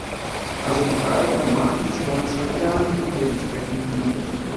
Also mit Reiter, Martinsgans, Laternen und den entsprechenden Liedern.